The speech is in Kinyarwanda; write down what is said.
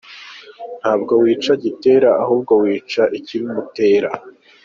Ntabwo wica Gitera ahubwo wica ikibimutera.